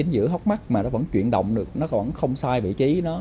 giữ hốc mắt mà nó vẫn chuyển động được nó còn không sai vị trí nó